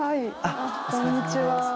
こんにちは。